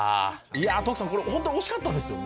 「トクサンこれホントに惜しかったですよね」